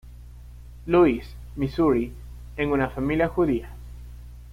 Louis, Misuri, en una familia judía.